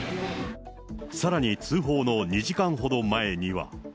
さらに通報の２時間ほど前には。